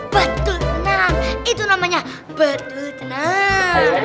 bertuh tenang itu namanya bertuh tenang